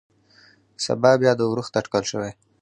سبا بيا د اورښت اټکل شوى.